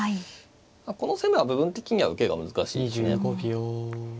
この攻めは部分的には受けが難しいですね。